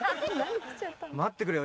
待ってくれよ